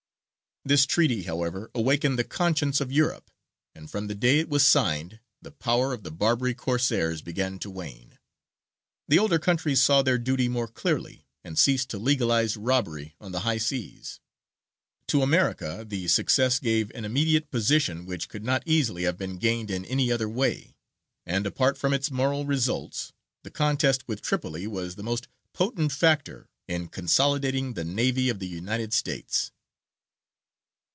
This treaty, however, awakened the conscience of Europe, and from the day it was signed the power of the Barbary Corsairs began to wane. The older countries saw their duty more clearly, and ceased to legalize robbery on the high seas. To America the success gave an immediate position which could not easily have been gained in any other way, and, apart from its moral results, the contest with Tripoli was the most potent factor in consolidating the navy of the United States.